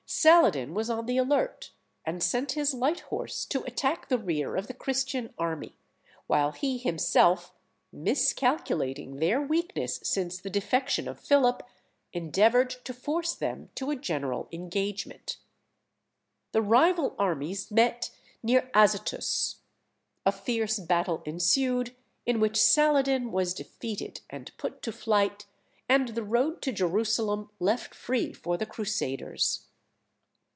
Saladin was on the alert, and sent his light horse to attack the rear of the Christian army, while he himself, miscalculating their weakness since the defection of Philip, endeavoured to force them to a general engagement. The rival armies met near Azotus. A fierce battle ensued, in which Saladin was defeated and put to flight, and the road to Jerusalem left free for the Crusaders.